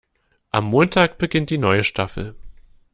Am Montag beginnt die neue Staffel.